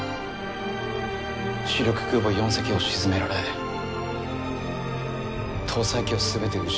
主力空母４隻を沈められ搭載機を全て失ったらしい。